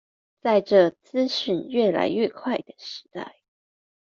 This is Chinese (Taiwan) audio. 在這資訊越來越快的時代